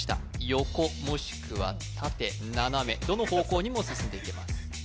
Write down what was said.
横もしくは縦斜めどの方向にも進んでいけます